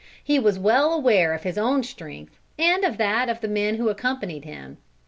He was well aware of his own strength and of that of the men who accompanied him.